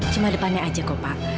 cuma depannya aja ko pa